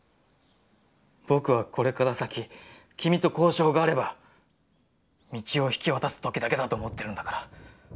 僕はこれから先、君と交渉があれば、三千代を引き渡す時だけだと思ってるんだから」。